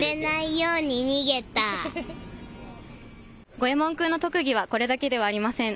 ゴエモン君の特技はこれだけではありません。